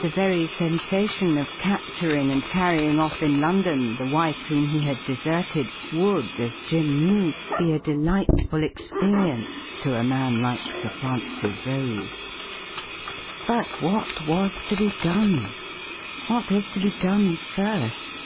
The very sensation of capturing and carrying o£F in London the wife whom he had deserted would, as Jim knew, be a delightful experience to a man like Sir Francis Rose. 18 274 THE RIDDLE RING But what was to be done ? What was to be done first